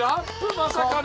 まさかの！